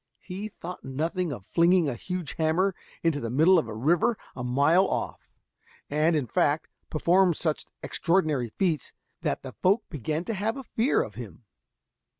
He thought nothing of flinging a huge hammer into the middle of a river a mile off, and, in fact, performed such extraordinary feats, that the folk began to have a fear of him.